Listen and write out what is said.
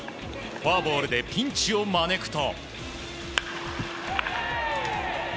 フォアボールでピンチを招くと。